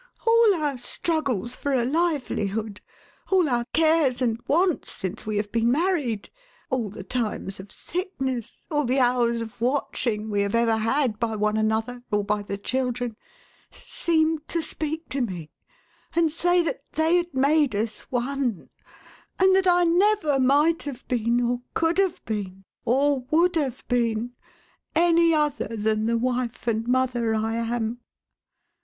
All our struggles for a livelihood, all our cares and wants since we have been married, all the times of sickness, all the hours of watching, we have ever had, by one another, or by the children, seemed to speak to me, and say that they had made us one, and that I never might have been, or could have been, or would have been, any other than the wife and mother I am.